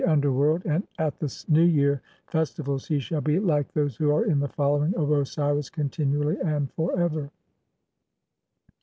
285 UNDERWORLD, AND AT THE NEW YEAR [FESTIVALS HE SHALL BE] LIKE THOSE WHO ARE IN THE FOLLOWING OF OSIRIS CONTINUALLY AND FOR EVER.'